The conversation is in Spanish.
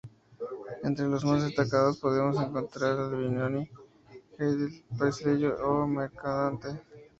Entre los más destacados podemos encontrar a Albinoni, Haendel, Paisiello o Mercadante.